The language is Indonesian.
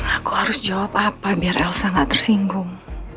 aku harus menjawab apa agar elsa tidak tersinggung